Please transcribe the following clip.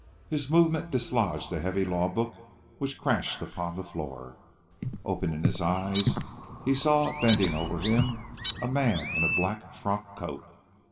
His movement dislodged a heavy law book, which crashed upon the floor. Opening his eyes, he saw, bending over him, a man in a black frock coat.